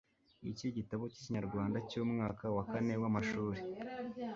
Iki gitabo k'Ikinyarwanda cy'umwaka wa kane w'amashuri